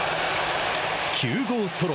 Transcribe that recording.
９号ソロ。